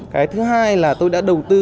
cái thứ hai là tôi đã đầu tư